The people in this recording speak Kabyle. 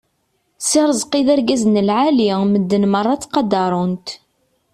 Si Rezqi d argaz n lɛali medden merra ttqadaren-t.